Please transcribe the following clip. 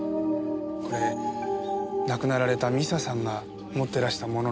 これ亡くなられた未紗さんが持ってらしたものなんです。